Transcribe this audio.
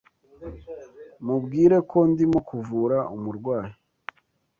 Mubwire ko ndimo kuvura umurwayi.